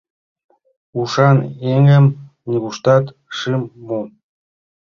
Ушан еҥым нигуштат шым му...